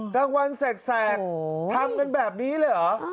กลางวันแสกทำกันแบบนี้เลยเหรอ